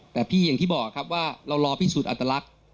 แต่พี่อย่างที่บอกครับว่าเรารอพิสูจน์อัตลักษณ์